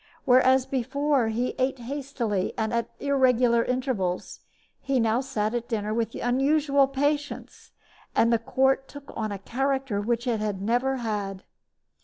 Whereas before he ate hastily and at irregular intervals, he now sat at dinner with unusual patience, and the court took on a character which it had never had.